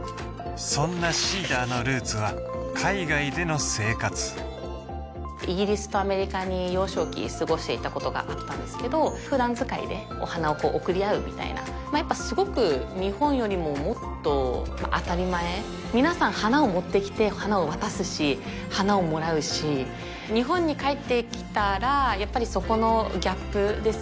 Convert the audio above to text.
そんなＳｅｅｄｅｒのルーツは海外での生活イギリスとアメリカに幼少期過ごしていたことがあったんですけど普段使いでお花をこう贈りあうみたいなやっぱすごく日本よりももっと当たり前みなさん花を持ってきて花を渡すし花をもらうし日本に帰ってきたらやっぱりそこのギャップですね